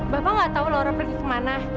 bapak gak tau laura pergi kemana